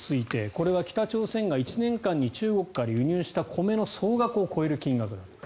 これは北朝鮮が１年間に中国から輸入した米の総額を超える金額だと。